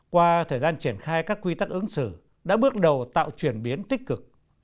qua thời gian triển khai các quy tắc ứng xử đã bước đầu tạo chuyển biến tích cực